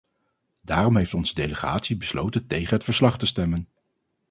Daarom heeft onze delegatie besloten tegen het verslag te stemmen.